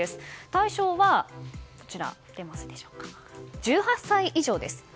対象は１８歳以上です。